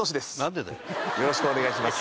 よろしくお願いします。